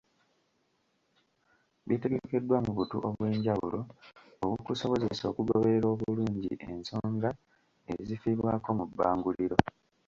Bitegekeddwa mu butu obw'enjawulo obukusobozesa okugoberera obulungi ensonga ezifiibwako mu bbanguliro.